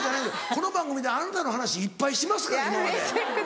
この番組であなたの話いっぱいしてますから今まで。